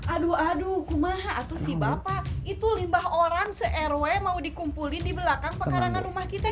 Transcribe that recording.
aduh aduh kumaha atau si bapak itu limbah orang se rw mau dikumpulin di belakang pekarangan rumah kita